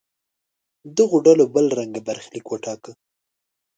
دغو ډلو بل رنګه برخلیک وټاکه.